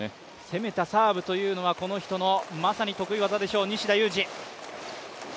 攻めたサーブというのはこの人のまさに得意技でしょう西田有志。